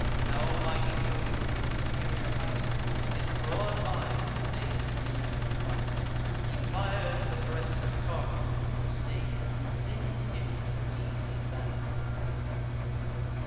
Now mighty Jove, from his superior height, With his broad eye surveys th' unequal fight. He fires the breast of Tarchon with disdain, And sends him to redeem th' abandon'd plain.